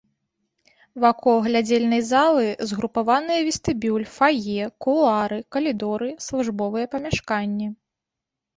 Вакол глядзельнай залы згрупаваныя вестыбюль, фае, кулуары, калідоры, службовыя памяшканні.